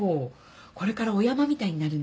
これからお山みたいになるんだよ。